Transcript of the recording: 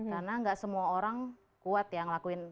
karena enggak semua orang kuat ya ngelakuin